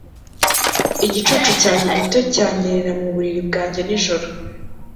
igicucu cyanjye gito cyanyerera mu buriri bwanjye nijoro